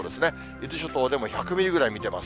伊豆諸島でも１００ミリぐらい見てます。